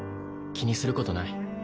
気にする事ない。